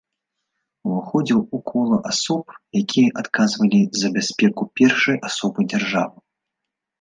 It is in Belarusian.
Уваходзіў у кола асоб, якія адказвалі за бяспеку першай асобы дзяржавы.